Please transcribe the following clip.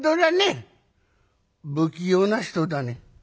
不器用な人だね。